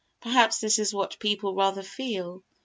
Perhaps this is what people rather feel.